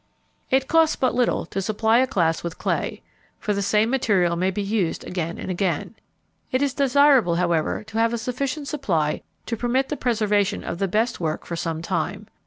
It costs but little to supply a class with clay, for the same material may be used again and again. It is desirable, however, to have a sufficient supply to permit the preservation of the best work for some time.